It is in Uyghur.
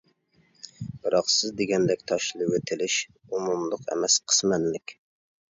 بىراق سىز دېگەندەك تاشلىۋېتىلىش ئومۇملۇق ئەمەس قىسمەنلىك.